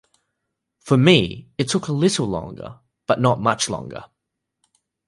For me, it took a little longer, but not much longer.